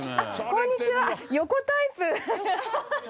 こんにちは横タイプ